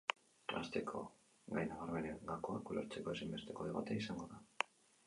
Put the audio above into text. Asteko gai nabarmenen gakoak ulertzeko ezinbesteko debatea izango da.